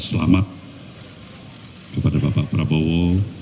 selamat kepada bapak prabowo